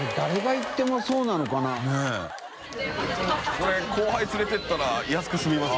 これ後輩連れて行ったら安く済みます。